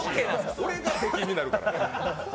俺が出禁になるから。